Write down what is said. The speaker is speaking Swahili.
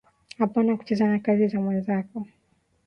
apana kucheza na kazi ya mwenzako